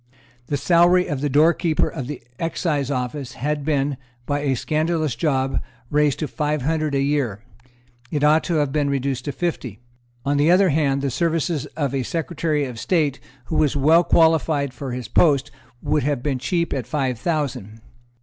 The salary of the Doorkeeper of the Excise Office had been, by a scandalous job, raised to five hundred a year. It ought to have been reduced to fifty. On the other hand, the services of a Secretary of State who was well qualified for his post would have been cheap at five thousand.